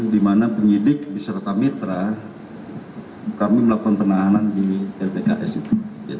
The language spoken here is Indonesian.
di mana penyidik beserta mitra kami melakukan penahanan di lpks itu